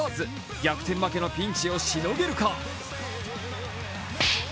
逆転負けのピンチをしのげるか。